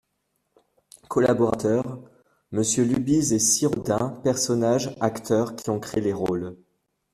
COLLABORATEURS : MMonsieur LUBIZE ET SIRAUDIN PERSONNAGES Acteurs, qui ont créé les rôles.